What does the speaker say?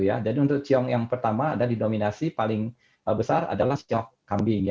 jadi untuk ciong yang pertama dan didominasi paling besar adalah siu kambing